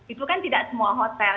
itu kan tidak semua hotel